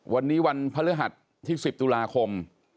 วันนี้วันพฤหัสที่๑๐ตุลาคม